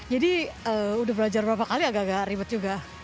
jadi udah belajar beberapa kali agak agak ribet juga